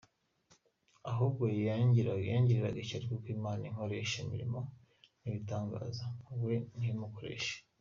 Ahubwo yangiriraga ishyari kuko Imana inkoresha imirimo n’ibitangaza, we ntimukoreshe.